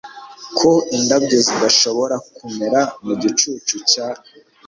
Ko indabyo zidashobora kumera mu gicucu cya